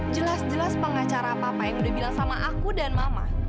jelas jelas pengacara apa apa yang udah bilang sama aku dan mama